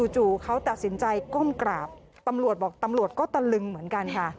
จู่เขาตัดสินใจก้มกราบตำรวจบอกตำรวจก็ตะลึงเหมือนกันค่ะ